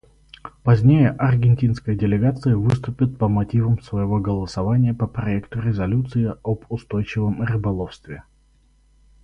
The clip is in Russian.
Позднее аргентинская делегация выступит по мотивам своего голосования по проекту резолюции об устойчивом рыболовстве.